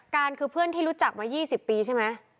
การคือเพื่อนที่รู้จักมา๒๐ปีใช่ไหม